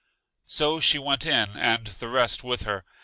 So she went in, and the rest with her.